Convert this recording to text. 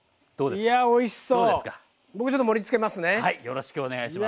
いやおいしそうですね。